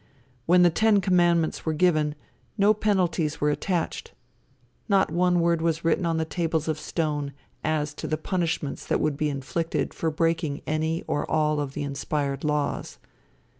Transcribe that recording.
When the ten commandments were given, no penalties were attached. Not one word was written on the tables of stone as to the punishments that would be inflicted for breaking any or all of the inspired laws.